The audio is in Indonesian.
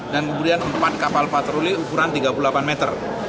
dan kemudian empat kapal patroli ukuran tiga puluh delapan meter